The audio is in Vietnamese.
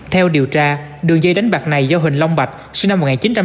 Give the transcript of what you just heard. theo điều tra đường dây đánh bạc này do huỳnh long bạch sinh năm một nghìn chín trăm tám mươi